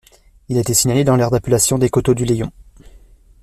Il a été signalé dans l'aire d'appellation des Coteaux-du-Layon.